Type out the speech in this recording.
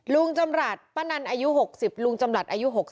ลุงจำรัฐป้านันอายุ๖๐ลุงจำหลัดอายุ๖๐